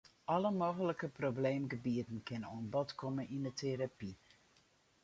Alle mooglike probleemgebieten kinne oan bod komme yn 'e terapy.